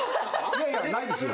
いやいやないですよ